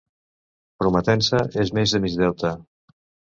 Prometença és més de mig deute.